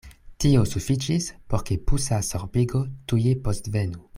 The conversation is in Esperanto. Tio sufiĉis, por ke pusa sorbigo tuje postvenu.